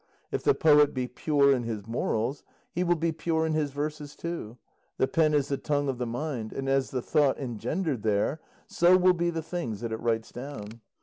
If the poet be pure in his morals, he will be pure in his verses too; the pen is the tongue of the mind, and as the thought engendered there, so will be the things that it writes down.